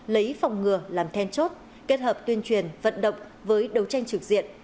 lấy phòng ngừa làm then chốt kết hợp tuyên truyền vận động với đấu tranh trực diện